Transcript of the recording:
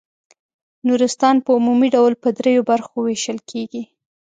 نورستان په عمومي ډول په دریو برخو وېشل کیږي.